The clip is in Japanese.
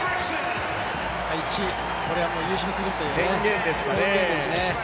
１、これは優勝するという宣言ですね。